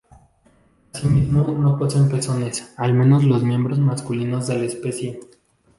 Así mismo, no poseen pezones, al menos los miembros masculinos de la especie.